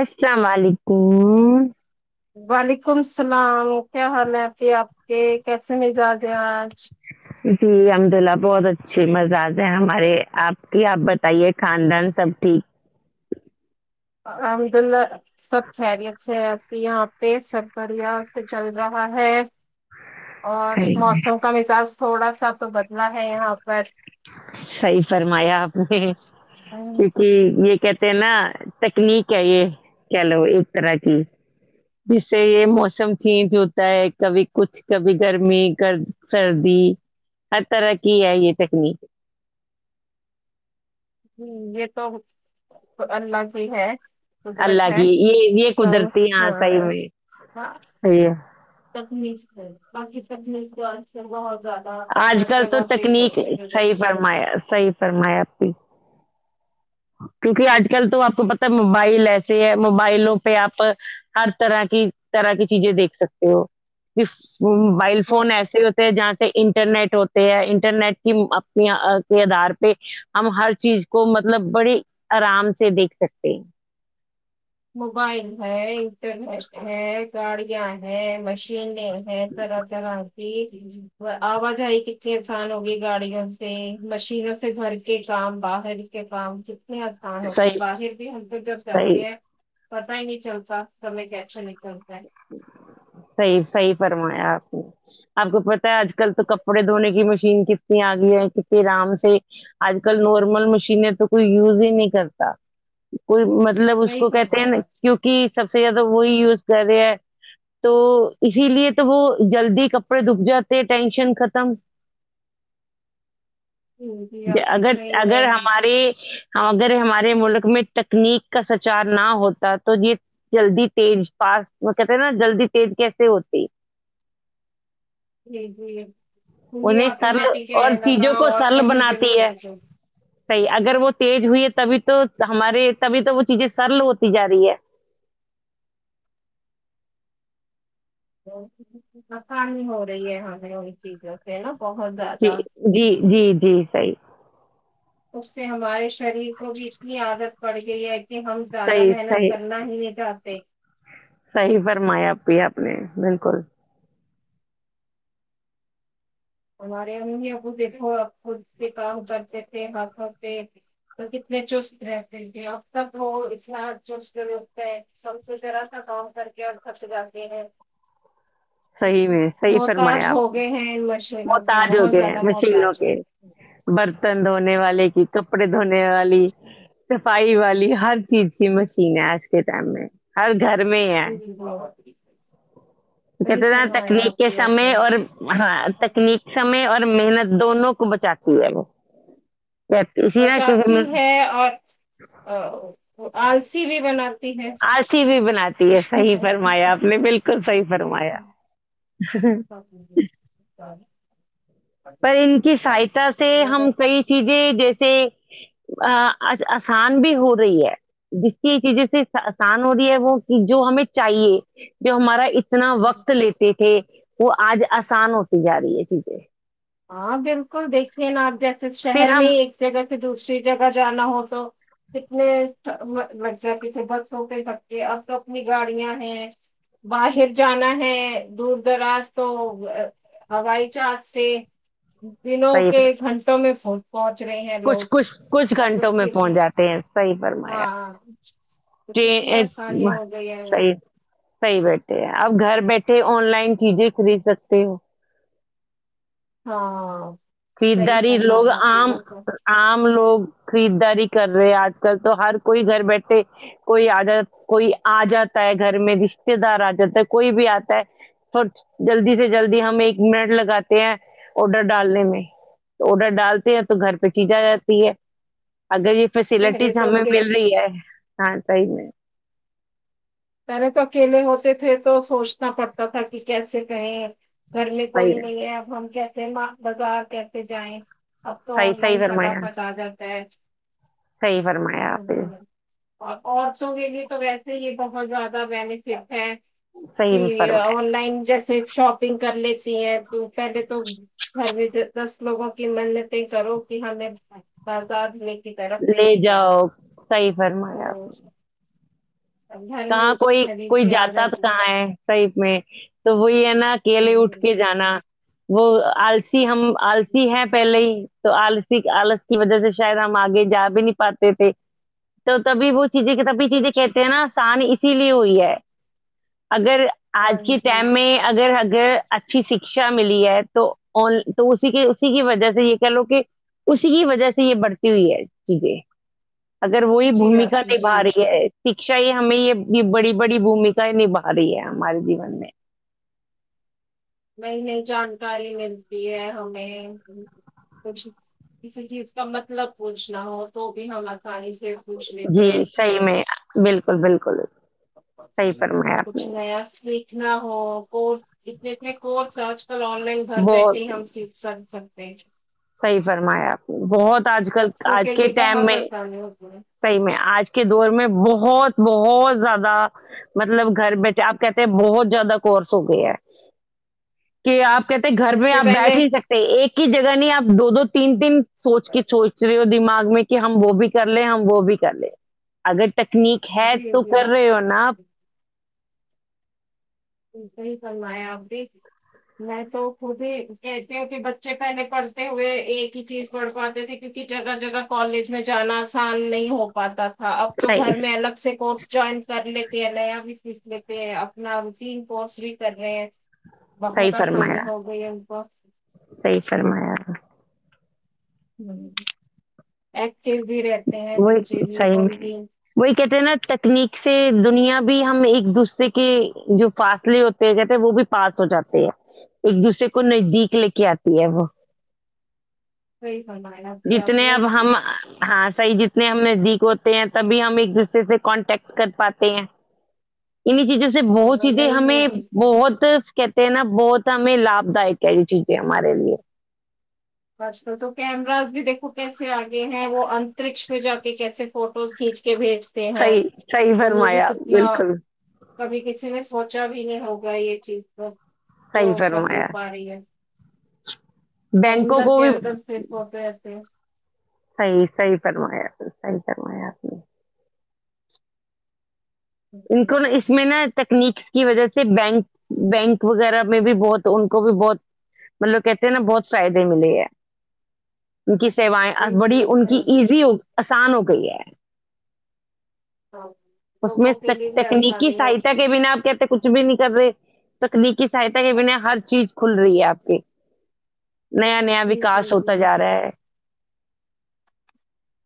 السلام لیکم وعلیکم السلام کیا حال ہے اپی اپ کے کیسے مزاج ہیں اج [inaudible] جی الحمد للہ بہت اچھے مزاج ہے ہمارے آپی اپ بتائیے خاندان سب ٹھیک الحمد اللہ سب خیریت ہے ابھی یہاں پہ سب بڑھیا سے چل رہا ہے اور صحیح موسم کا مزاز تھوڑا سا تو بدلا ہے یہاں پر صحیح فرمایا اپ نے ہم، کیونکہ یہ کہ ھے نا ٹکنیک ہے یہ کہ لو ایک طرح کی جس سے یہ موسم چینج ہوتا ہے کبھی کچھ کبھی گرمی گر سردی ہر طرح کی ہے یہ ٹکنی ھمم یہ تو اللہ کی ہے قدرت اللہ ہے کی یہ یہ تو قدرتی یہ صحیح ہاں میں ٹکنیک ہے باقی ٹکنیک جو اج کل بہت زیادہ اج ہر کل تو جگہ پہ ہی ٹکنیک صحیح ہوتے فرمایا صحیح فرمایا اپی کیونکہ آج کل تو آپ کو پتا ہے موبائل ایسے ہے موبائلوں پہ اپ ہر طرح کی طرح کی چیزیں دیکھ سکتے ہو موبائل فون ہیں ایسے ہوتے ہیں جہاں سے انٹرنیٹ ہوتا ھے انٹرنیٹ کی اپنی آ آدھار پہ ہم ہر چیز کو مطلب بڑے آرام سے دیکھ سکتے ہیں موبائل ہے انٹرنیٹ ہے گاڑیاں ہے مشین ہیں طرہ طرہ کی [unintelligible] اواز آۓ گی چھےڈ سان ہو گئی گاڑییاز مشینوں سے گھر کے کام باہر کے کام ت آسان ہوتی صحیح باہر بھی اندر جب صحیح چلتے ہیں پتا ہی نہیں چلتا ت میں کیچو نکلتا ہے صحیح صحیح فرمایا آپ کو آپ کو پ آج کل تو کپڑے دونے کی مشین مش کنی آ گئی ہے کنی آرام سے آج کل نارمل مشین تو کوئی یوز ہی نہیں کرتا کوئی مطلب اس صحیح کو کہتے ہیں نا فرمایا کیونکہ سب زیادہ وہی یوز کر رہے ہے تو اسی لیے تو وہ جلدی کپڑے دکھ جاتے ٹینشن ختم جی جی آپ کی اگر صحیح میں اگر ہمارے جی ہم اگر ہمارے ملک میں تکنیک کا سچار نہ ہوتا تو یہ جلدی تیز پاس کہتے ہیں نا جلدی تیز کیسے ہوتی جی جی پلی انہیں سرل آٹومیٹک اور ہے لگا چیزوں کو اور سرل کہیں پہ بناتی بھی ہے کبھی کبھی صحیح اگر وہ تیز ہوئی ہے تو تبھی تو ہمارے تبھی تو وہ چیزیں سرل ہوتی جا رہی ہے مکانی ہو رہی ہے ہ ای چیز و ہے نا بہت جی زیادہ جی جی جی صائی اس سے ہمارے شریر کو بھی اتنی عادت پڑ گئی ہے کہ ہم زیادہ صحیح محنت کرنا ہی نہیں چاہتے صحی فرمائیای آپ نے بالکل ہمارے امی ابو د خود سے کاترتے تھے ہاتھوں پ تو کتنے چست رہتے تھے ا سب ات چست لگتا ہے سبا تھا کام کر کے اور سب جاتے ہیں صحیح محتاج ہو گئے ہیںش وہ تاجوں کے مشینوں کے برتن دھونے والے کی کپڑے دھونے والی صفائی والی ہر چیز کی مشین ہے آج کے ٹائم میں ہر گھر میں ہے جی، بہت صحیح کہتے تھا فرمایا تکنیک آپ کے نے آپ سمے نے اور ہاں تک ن سمے محنت دونوں کو بچاتی ہے وہ کہتے- اسی نا بچاتی کیونکہ ہے اور آج سی بھی بنات ہسی بھی بناتی ہے صحیح فرمایا آپ نے بالکل صحیح فرمایا پر ان کی سہایتا سے ہم کئی چیزیں جیسے آسان بھی ہو رہی ہے جس کی چیزوں سے آسان ہو رہی ہے وہ جو ہمیں چاہیے جو ہمارا اتنا وقت لیتے تھے وہ آج آسان ہوتی جا رہی ہے چیزیں ہاں بالکل دیکھیے نا آپ جیسے پھر شہر میں ہم ایک جگہ سے دوسری جگہ جانا ہو تو کتنے لگ ج سے بک س ہوتےک کے ا تو اپنی گاڑیاں ہیں باہر جانا ہے دور دراز تو ہوائی جہاز سے دنوں صحیح کے پر گھنٹوں میں اور کچھ کچھ کچھ گھنٹوں میں پہنچ جاتے ہیں صحی فرمایا ہاں تو کتنی آسانی ہو گئی ہے صحیح صحیح بیٹے ہیں اب گھر بیٹھے آن لائن چیزیں خرید سکتے ہو ہاں صحیح خریداری لوگ فرمایا آپ نے آم وہ تو آم لوگ خریداری کر رہے آج کل تو ہر کوئی گھر بیٹھے کوئی آ جات کوئی آ جاتا ہے گھر میں رشتے دار آ جاتا ہے کوئی بھی آتا ہے تھ جلدی سے جلدی ہم ایک منٹ لگاتے ہیں آڈر ڈالنے میں آڈر ڈالتے ہیں تو گھر پہ چیز آ جاتی ہے اگر یہ پہلے فیسلٹیز تو ہمیں اکیلے مل رہی ہے ہاں سی میں پہلے تو اکیلے ہوتے تھے تو سوچنا پڑتا تھا کہ کیسے کہیں گھر میں کوئی نہیں ہے اب ہم کیا سیما بازار کیسے جائیں اب تو صحیح آن لائن فٹافٹ آ جاتا ہے صحی فرمایا آپے اور اورسوں کے لیے تو ویسے ہی یہ بہت بہت زیادہ بینیفٹ ہے صحیح ج فرمایا آن لائن جیسے شاپنگ کر لیتی ہے تو پہلے تو گھر میں لوگوں کی منتیں کرو کہ ہمیں بازاد میں کی طرف لے کے جاؤ صحیح فرمایا آپ تو نے گھر میں کہاں کوئی خرید کوئی کے آ جاتا تو جاتی کہاں ہے ٹائپ میں تو وہ یہ ہے نا کیلے اٹھ کے ہے جانا وہ آلسی ہم آلسی ہے پہلے ہی تو آلسی آلس کی وجہ سے شاید ہم آگے جا بھی نہیں پاتے تھے تو تبھی وہ چیزیں کتابھی چیزیں کچھ کہتے ہیں نا نق سان اسی لیے ہوئی ہے اگر آج ہاں کے جی ٹائم میں اگر اگر اچھی شکشا ملی ہے تو تو اسی کے اسی کی وجہ سے یہ کہہ لو کہ اسی کی وجہ سے یہ بڑھتی ہوئی ہے چیزیں اگر وہی جی آپ بھومکا جی نبھا رہی ہے شکشا یہ ہمیں یہ بڑی بڑی بھومکا نبھا رہی ہے ہمارے جیون میں نئی نئی جانکاری ملتی ہے ہمیں کچھ کسی چیز کا مطلب پوچھنا ہو تو بھی ہم آسانی سے سے پوچھ لیتے جی ہیں اس صحیح پ میں بالکل بالکل صحیح فرمایا آپ نے کچھ نیا سیکھنا ہو اورس اتنے اتنے بہت ساچ تو آن لائن گھر بہت بیٹھے ہی ہم فی سر س [inaudible] صحیح فرمایا آپ نے بہت آج کل بچوں آج کے لیے ٹائم بہت میں آسانی ہوتی ہے صحیح میں آج کے کے دور میں بہت بہت زیادہ مطلب گھر بیھے آپ کہتے ہیں بہت زیادہ کورس ہو گیا ہے کہ آپ کہتے گھر میں بچے آپ بیٹھ پہلے ہی نہیں سکتے ایک کی جگہ نہیں آپ دو دو تین تین سوچ کے [inaudible] دماغ میں کہ ہم وہ بھی کر لیں ہم وہ بھی کر لیں اگر تکنیک ہے جی تو جی کر رہے ہو نا آپ صحیح فرمایا اپ بھی میں تو خود کہتی ہوں کہ بچے پہلے پڑھتے ہوئے ایک ہی چیز پڑھ پاتے تھے کیونکہ جگہ جگہ کالج میں جانا اسان نہیں ہو پاتا ہاں اب تو صحیح گھر میں الگ سے کورس جوائن کر لیتے ہیں نیا بھی سیکھ لیتے ہیں اپنا تین کورس بھی کر رہے ہیں صحیح بہت آسانی فرمایا ہو گئی ہے [inaudible] صحیح فرمایا [inaudible] پھر بھی رہتے ہیں وہی بچے بھی صحیح کوئی میں بھی وہی کہتے ہیں نا تکنیک سے دنیا بھی ہم ایک دوسرے کے جو فاصلے ہوتے ہیں کہتے ہیں وہ بھی پاس ہو جاتے ہے ایک دوسرے کو نزدیک لے کے آتی ہے وہ وہی جتنے اب ہم [inaudible] صحیح جتنے ہم نزدیک ہوتے ہیں تبھی ہم ایک دوسرے سے کانٹیکٹ کر پاتے ہیں انہیں چیزوں سے بہت چیزیں نہیں ہمیں نہیں بہت کہتے ہیں نا بہت ہمیں لابھ دائک ہے یہ چیزیں ہمارے لیے آج کل تو کیمراز بھی دیکھو کیسے آگے ہیں وہ اترکش میں جا کے کیسے فوٹوز کھینچ کے بھیجتے ہیں صحیح صحیح تو وہ بھی فرمایا کتنا بالکل کبھی کسی نے سوچا بھی نہیں ہوگا یہ چیز تو جو صحیح فرمایا کہوپا رہی ہے بینکوں کو بھی [unintelligible] صحیح صحیح فرمایا نے صحی فرمایا آپ نے ان کو ن اس میں نا [unintelligible] تکنیک کی وجہ سے بینک بینک وغیرہ میں بھی بہت ان کو بھی بہت مطلب کہتے ہیں نا بہت فائدے ملے ہیں ان کی سیوائیں جی بڑی چیز ان ہے کی ایزی [unintelligible] آسان ہو گئی ہے ہاں اس میں لوگوں کے لیے بھی تکنیکی آسانی ہوگی سہیتا کے بنا آپ کے کچھ بھی نہیں کر رہے تکنیکی سے سہایتا کے بنا ہر چیز [unintelligible] کھل رہی ہے آپ کے نیا نیا جی وکاس جی ہوتا جی جا رہا ہے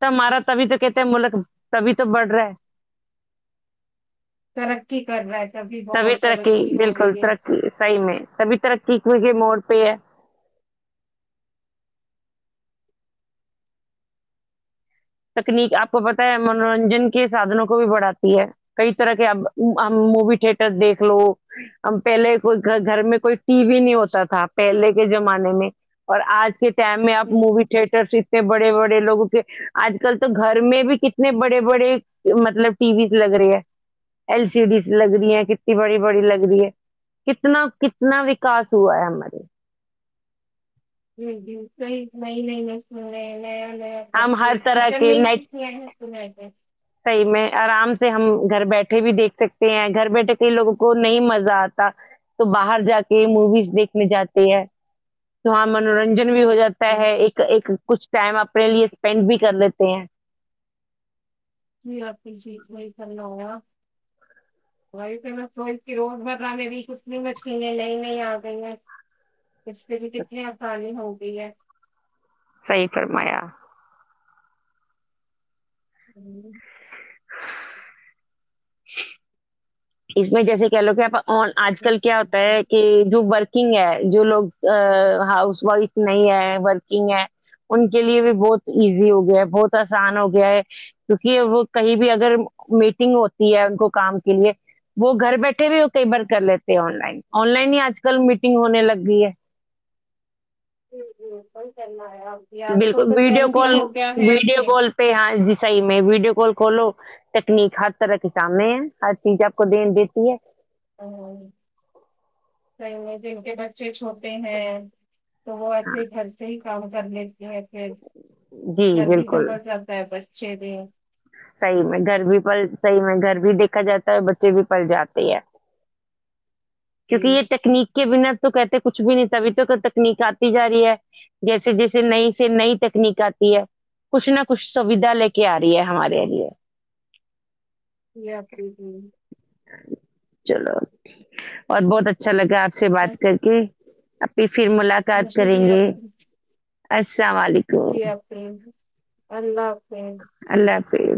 ت ہمارا تبھی تو کہتے ہیں ملک تبھی تو بڑھ رہا ہے ترقی کر رہا ہے تھا ابھی سبھی بہت ترقی ہو رہی ہے تبھی ترقی کی کے موڑ پہ ہے [unintelligible] تکنیک آپ کو پت ہے منورنجن کے سادھنوں کو بھی بڑھاتی ہے کئی طرح کے اب ہم مووی تھیٹر دیکھ لو ہم پہلے کو گھر میں کوئی ٹی وی نہیں ہوتا تھا پہلے کے زمانے میں اور آج کے ٹم آپ موی جی تھھیٹرس اتنے بڑے بڑے بڑے لوگوں کے آج کل تو گھر میں بھی کتنے بڑے بڑے مطلب ٹی ویز لگ رہی ہے ایل سی ڈیز لگ رہی ہیں کتنی بڑی بڑی لگ رہی ہے کتنا کتنا وکاس ہوا ہے ہمارے دس ہی مئی نہیں ن سنے [unintelligible] سب ہم ہر کچھ طرح کچن کے میں ہی نیٹ کت ہیں سن کے [unintelligible] صحیح میں آرام سے ہم گھر بیٹھے بھی دیکھ سکتے ہیں گھر بیٹھے کئی لوگوں کو نہیں مزہ آتا تو باہر جا کے موویز دیکھنے جاتے ہے تو ہاں منورنجن بھی ہو جاتا ہے ایک ایک کچھ ٹائم آپ اپنے لیے اسپینڈ بھی کر لیتے ہیں ج آپ کی چیز وہی کرنا ہوگا وہ پہ میں سوچ روز مرہ میں بھی کچھ بھی مچھلییں نئی نئی آ گئی ہیں اس پ بھی کتنی آسانی ہوگی ٹھیک ہے صحی فرمایا [unintelligible] اس میں جیسے کہہ لو کہ آپ اور آج کل کیا ہوتا ہے کہ جوک نگ ہے جو لوگ ہاؤس وائف نہیں ہے ورکنگ ہے ان کے لیے بھی بہت ایزی ہو گیا ہے بہت آسان ہو گیا ہے کیونکہ وہ کہیں بھی اگر میٹنگ ہوتی ہے ان کو کام کے لیے وہ گھر بیٹھے بھی کئی بار کر لیتے ہیں آن لائن آن لائن ہی آج کل میٹنگ ہونے لگ گئی ہے ھمم ھمم [unintelligible] انٹلہ بالکل ویڈیو کال ہے ویڈیو کہ کال پہ ہاں جی صحی میں ویڈیو کال کھولو تکنیک ہر طرح کے سامنے ہے ہر چیز آپ کو دین دیتی ہے ہ ان کے بچے چھوٹے ہیں تو وہ ایسے ہی گھر سے ہی کام چلی جی سرد بالکل جنپ چلتا ہے پس چی صحیح میں گھر بھی پل صحیح میں گھر بھی دیکھا جاتا ہے بچے بھی پل جاتے ہے جی کیونکہ یہ تکنیک کے بنا تو کہتے کچھ بھی نہیں تبھی تو تو تکنیک آتی جا رہی ہے جیسے جیسے نئی سے نئی تکنیک آتی ہے کچھ نہ کچھ سویدھا لے کے آ رہی ہے ہمارے لیے پ جی چلو اور بہت اچھا لگتا آپ سے بات کر کے اپنی پھر ملاقات مجھے کریں بھی گے آپ سے اچ السلام جی علیکم آپ سے، اللہ حافظ اللہ حافظ